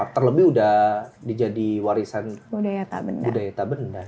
terlebih sudah dijadi warisan budaya tabenda